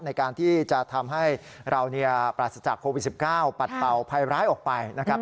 ในการที่จะทำให้เราปราศจากโควิด๑๙ปัดเป่าภัยร้ายออกไปนะครับ